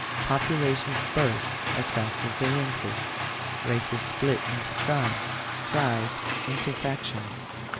Populations burst as fast as they increase. Races split into tribes ; tribes into factions.